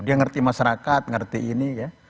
dia ngerti masyarakat ngerti ini ya